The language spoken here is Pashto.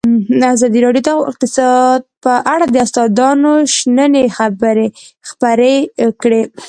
ازادي راډیو د اقتصاد په اړه د استادانو شننې خپرې کړي.